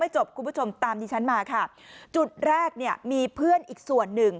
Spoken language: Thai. จบคุณผู้ชมตามดิฉันมาค่ะจุดแรกเนี่ยมีเพื่อนอีกส่วนหนึ่ง